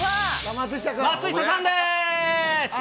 松下さんです。